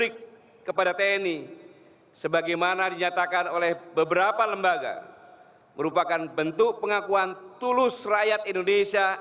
kepada para sesepuh pendalut tni